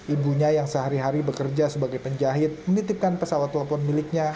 ibunya yang sehari hari bekerja sebagai penjahit menitipkan pesawat telepon miliknya